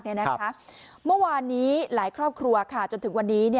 เมื่อวานนี้หลายครอบครัวจนถึงวันนี้